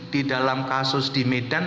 di dalam kasus di medan